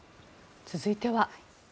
続いては。